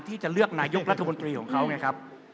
ที่จะเลือกนายกรัฐมนตรีของเขาไงครับ